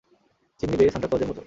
Chimney বেয়ে Santa ক্লজের মতো।